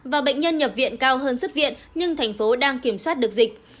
và bệnh nhân nhập viện cao hơn xuất viện nhưng thành phố đang kiểm soát được dịch